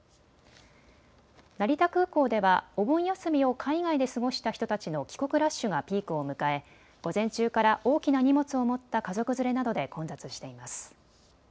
成田空港ではお盆休みを海外で過ごした人たちの帰国ラッシュがピークを迎え、午前中から大きな荷物を持った家族連れなどで混雑しています。